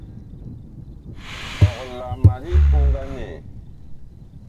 Ɔg la ma li oŋganɛ?